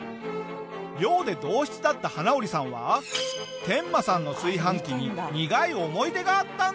寮で同室だった花織さんはテンマさんの炊飯器に苦い思い出があったんだ！